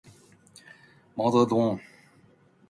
毛泽东